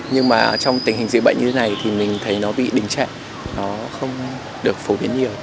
nhưng mà trong tình hình dịch bệnh như thế này thì mình thấy nó bị đình trệ nó không được phổ biến nhiều